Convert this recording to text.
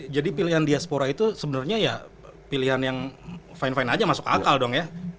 jadi pilihan diaspora itu sebenarnya ya pilihan yang fine fine aja masuk akal dong ya